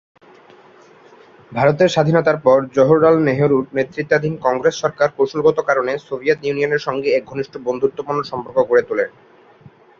ভারতের স্বাধীনতার পর জওহরলাল নেহরুর নেতৃত্বাধীন কংগ্রেস সরকার কৌশলগত কারণে সোভিয়েত ইউনিয়নের সঙ্গে এক ঘনিষ্ঠ বন্ধুত্বপূর্ণ সম্পর্ক গড়ে তোলে।